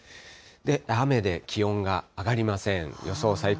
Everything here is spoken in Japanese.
雨で気温が上がりません。